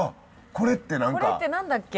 これって何だっけ？